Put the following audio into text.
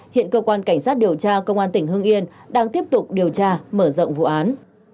hiện cơ quan cảnh sát điều tra công an tỉnh hưng yên đang tiếp tục điều tra mở rộng vụ án